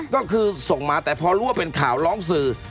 ก็คือส่งมาแต่พอรู้ว่าเป็นข่าวร้องสื่อ